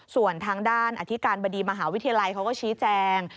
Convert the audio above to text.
ส่วนทางด้านอธิการบดีมหาวิทยาลัยเขาก็ชี้แจง